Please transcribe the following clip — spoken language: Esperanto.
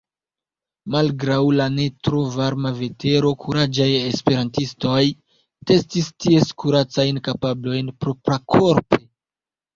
Malgraŭ la ne tro varma vetero, kuraĝaj esperantistoj testis ties kuracajn kapablojn proprakorpe.